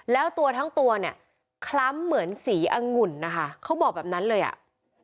แล้วตัวทั้งตัวเนี่ยคล้ำเหมือนสีองุ่นนะคะเขาบอกแบบนั้นเลยอ่ะ